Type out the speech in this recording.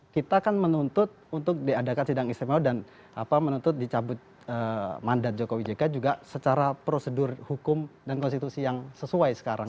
kita kan menuntut untuk diadakan sidang istimewa dan menuntut dicabut mandat jokowi jk juga secara prosedur hukum dan konstitusi yang sesuai sekarang